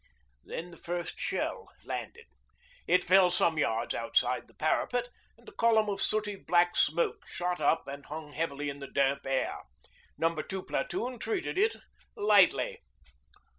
Then the first shell landed. It fell some yards outside the parapet, and a column of sooty black smoke shot up and hung heavily in the damp air. No. 2 Platoon treated it lightly.